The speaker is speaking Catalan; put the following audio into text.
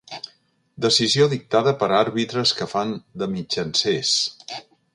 Decisió dictada per àrbitres que fan de mitjancers.